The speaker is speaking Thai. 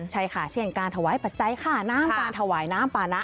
ใช่ค่ะเช่นการถวายปัจจัยค่าน้ำการถวายน้ำปานะ